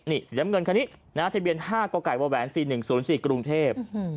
นี่สิริยามเงินคันนี้ทะเบียน๕กวแหวน๔๑๐๔กรุงเทพฯ